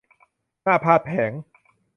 หน้าพาทย์แผลง